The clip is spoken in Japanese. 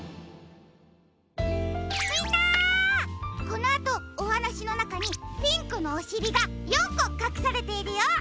このあとおはなしのなかにピンクのおしりが４こかくされているよ。